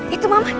itu mama cepetan